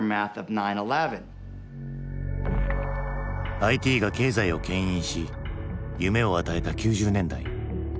ＩＴが経済をけん引し夢を与えた９０年代。